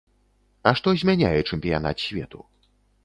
А што змяняе чэмпіянат свету?